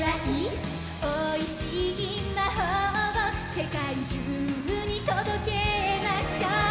「おいしい魔法を世界中に届けましょう」